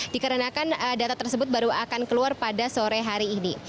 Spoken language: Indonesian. dikarenakan data tersebut baru akan keluar pada sore hari ini